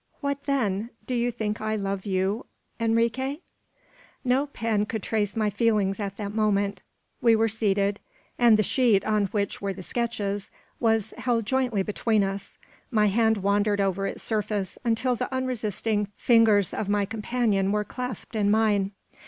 What then? Do you think I love you, Enrique?" No pen could trace my feelings at that moment. We were seated; and the sheet on which were the sketches was held jointly between us. My hand wandered over its surface, until the unresisting fingers of my companion were clasped in mine.